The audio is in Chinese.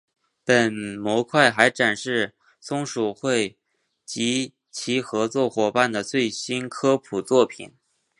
本模块还展示松鼠会及其合作伙伴的最新科普作品。